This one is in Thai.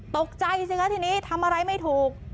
ตกใจสิคะทีนี้ทำอะไรไม่ถูก